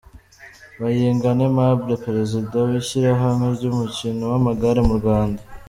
Bayingana Aimable perezida w'ishyirahamwe ry'umukino w'amagare mu Rwanda .